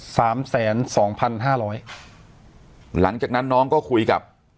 สามแสนสองพันห้าร้อยหลังจากนั้นน้องก็คุยกับ